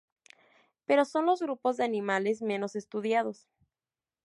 Pero son los grupos de animales menos estudiados.